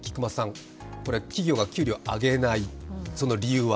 企業が給料を上げない、その理由は？